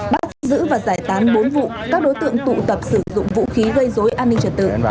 bắt giữ và giải tán bốn vụ các đối tượng tụ tập sử dụng vũ khí gây dối an ninh trật tự